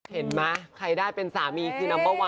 เห็นไหมใครได้เป็นสามีคือนัมเบอร์วัน